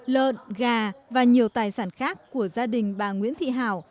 lợn gà và nhiều tài sản khác của gia đình bà nguyễn thị hảo